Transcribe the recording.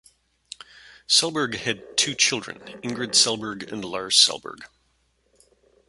Selberg had two children, Ingrid Selberg and Lars Selberg.